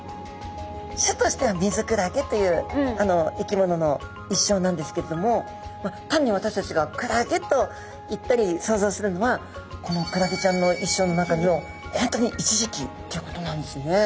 種としてはミズクラゲという生き物の一生なんですけれども単に私たちがクラゲといったり想像するのはこのクラゲちゃんの一生の中の本当に一時期ということなんですね。